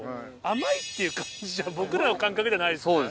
甘いっていう感じじゃ僕らの感覚ではないですね。